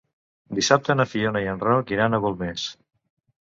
Dissabte na Fiona i en Roc iran a Golmés.